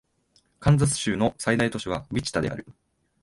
カンザス州の最大都市はウィチタである